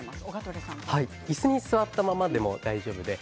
いすに座ったままでも大丈夫です。